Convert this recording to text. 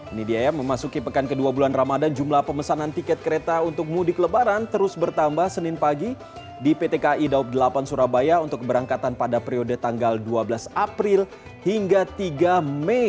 ini dia ya memasuki pekan kedua bulan ramadan jumlah pemesanan tiket kereta untuk mudik lebaran terus bertambah senin pagi di pt kai daup delapan surabaya untuk keberangkatan pada periode tanggal dua belas april hingga tiga mei